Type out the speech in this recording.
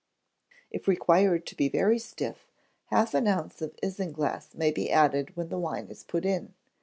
If required to be very stiff, half an ounce of isinglass may be added when the wine is put in.